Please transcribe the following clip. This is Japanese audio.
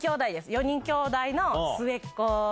４人きょうだいの末っ子。